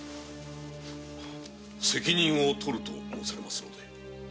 責任をとると申されますので？